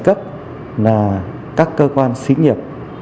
cấp các cơ quan xí nghiệp